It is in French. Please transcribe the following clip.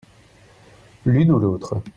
l'une ou l'autre.